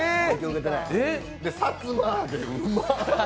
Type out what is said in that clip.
で、さつま揚げ、うんまっ！